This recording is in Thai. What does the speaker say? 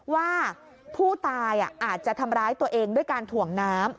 ว่าผู้ตายอาจจะทำร้ายตัวเองด้วยการถ่วงน้ำ